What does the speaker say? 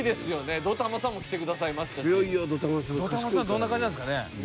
どんな感じなんですかね？